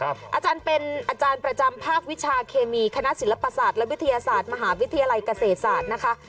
อาจารย์เป็นอาจารย์ประจำภาควิชาเคมีคณะศิลปศาสตร์และวิทยาศาสตร์มหาวิทยาลัยเกษตรศาสตร์นะคะ